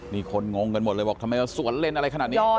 นี่คนงงกันหมดเลยบอกทำไมมาสวนเล่นอะไรขนาดนี้